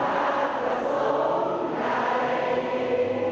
ถูกจะเต่าไว้ใจให้โลก